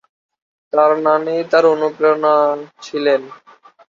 তার নানী তার অনুপ্রেরণা ছিলেন।